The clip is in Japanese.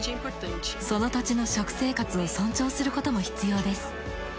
その土地の食生活を尊重することも必要です。